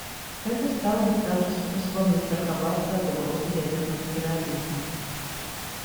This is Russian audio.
Это стало бы также способом застраховаться от угрозы ядерного терроризма.